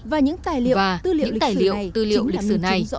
và những tài liệu tư liệu lịch sử này